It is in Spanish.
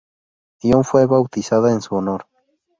John, fue bautizada en su honor.